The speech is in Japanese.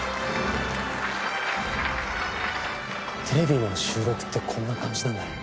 テレビの収録ってこんな感じなんだ。